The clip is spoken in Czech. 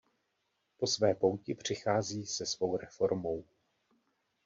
Po své pouti přichází se svou reformou.